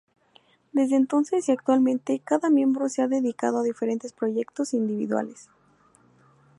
Desde entonces y actualmente, cada miembro se ha dedicado a diferentes proyectos individuales.